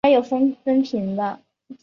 座囊菌亚纲三个目。